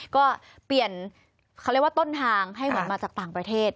ก็เปลี่ยนเขาเรียกว่าต้นทางให้เหมือนมาจากต่างประเทศ